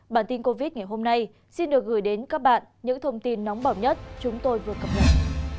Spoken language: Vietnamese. bản tin covid ngày hôm nay xin được gửi đến các bạn những thông tin nóng bỏng nhất chúng tôi vừa cập nhật